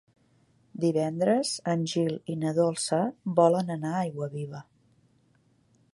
Divendres en Gil i na Dolça volen anar a Aiguaviva.